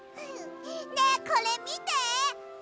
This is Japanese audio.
ねえこれみて！